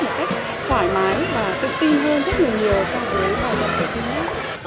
một cách thoải mái và tự tin hơn rất là nhiều so với những trò chơi của chúng ta